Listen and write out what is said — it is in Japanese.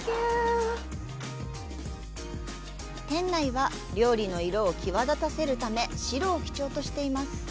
店内は料理の色を際立たせるため白を基調としています。